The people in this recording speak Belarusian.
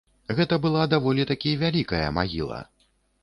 Гэта была даволі такі вялікая магіла.